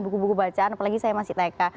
buku buku bacaan apalagi saya masih tk